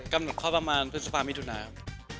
กำหนดเข้าประมาณพฤษภามิถุนาครับ